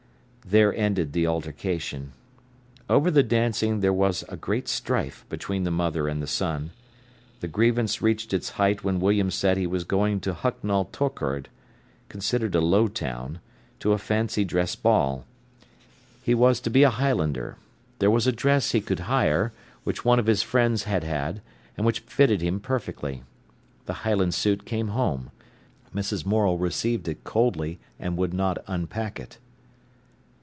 There ended the altercation. Over the dancing there was a great strife between the mother and the son. The grievance reached its height when William said he was going to Hucknall Torkard—considered a low town—to a fancy dress ball. He was to be a Highlander. There was a dress he could hire, which one of his friends had had, and which fitted him perfectly. The Highland suit came home. Mrs. Morel received it coldly and would not unpack it.